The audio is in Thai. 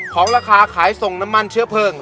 ของราคาขายส่งน้ำมันเชื้อเพลิง